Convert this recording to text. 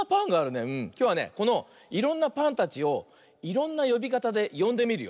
きょうはねこのいろんなパンたちをいろんなよびかたでよんでみるよ。